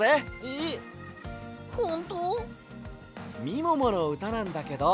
みもものうたなんだけど。